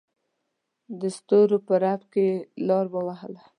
دسترو په رپ کې یې لار ووهله.